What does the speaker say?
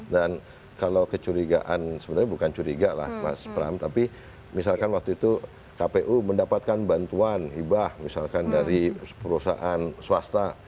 dan kalau kecurigaan sebenarnya bukan curiga lah mas pram tapi misalkan waktu itu kpu mendapatkan bantuan ibah misalkan dari perusahaan swasta